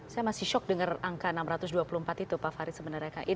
saya masih shock dengar angka enam ratus dua puluh empat itu pak farid sebenarnya